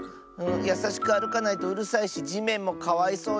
やさしくあるかないとうるさいしじめんもかわいそうだし。